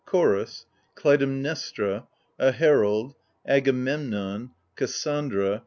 Chorus. Clytemnestra. A Herald. Agamemnon. Cassandra.